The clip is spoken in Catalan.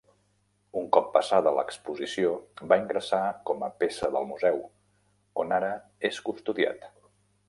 Un cop passada l'exposició va ingressar com a peça del museu, on ara és custodiat.